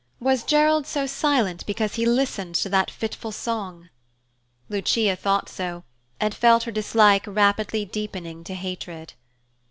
Was Gerald so silent because he listened to that fitful song? Lucia thought so, and felt her dislike rapidly deepening to hatred.